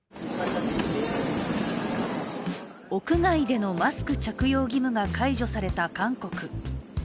屋外でのマスク着用義務が解除された韓国。